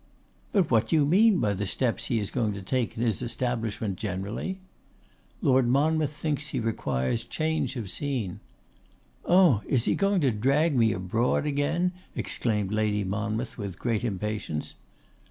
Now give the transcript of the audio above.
'But what do you mean by the steps he is going to take in his establishment generally?' 'Lord Monmouth thinks he requires change of scene.' 'Oh! is he going to drag me abroad again?' exclaimed Lady Monmouth, with great impatience.